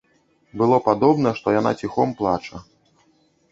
Было падобна, што яна ціхом плача.